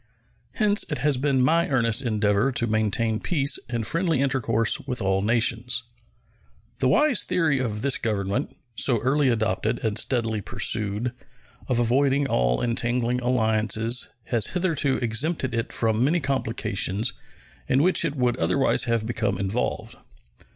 Hence it has been my earnest endeavor to maintain peace and friendly intercourse with all nations. The wise theory of this Government, so early adopted and steadily pursued, of avoiding all entangling alliances has hitherto exempted it from many complications in which it would otherwise have become involved.